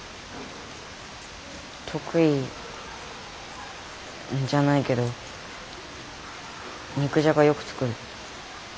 得意じゃないけど肉じゃがよく作る。